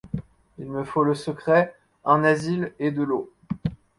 Il me faut le secret, un asile et de l’eau.